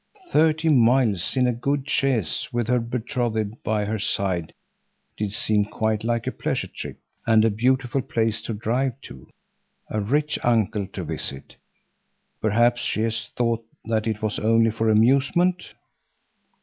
Thirty miles in a good chaise with her betrothed by her side did seem quite like a pleasure trip, and a beautiful place to drive to, a rich uncle to visit—perhaps she has thought that it was only for amusement?